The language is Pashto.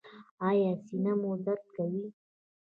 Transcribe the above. ایا سینه مو درد کوي؟